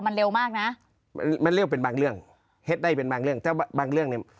มันเร็วมากนะมันเร็วเป็นบางเรื่องเฮ็ดได้เป็นบางเรื่องถ้าบางเรื่องเนี่ย